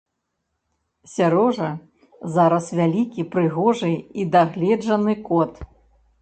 Сярожа зараз вялікі, прыгожы і дагледжаны кот.